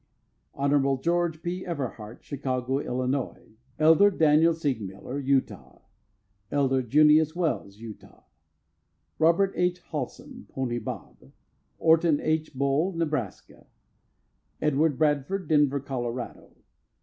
Hon. George P. Everhart, Chicago, Ill.; Elder Daniel Seigmiller, Utah; Elder Junius Wells, Utah; Robert H. Haslam (Pony Bob); Horton S. Boal, Nebraska; Edward Bradford, Denver, Colo.